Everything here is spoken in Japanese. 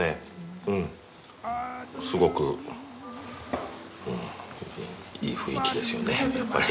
すごくいい雰囲気ですよねやっぱり。